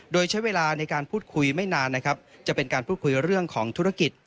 โดยใช้เวลาในการพูดคุยไม่นานนะครับจะเป็นการพูดคุยเรื่องของธุรกิจ